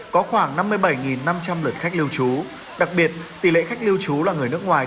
có khoảng năm mươi bảy năm trăm linh lượt khách lưu trú đặc biệt tỷ lệ khách lưu trú là người nước ngoài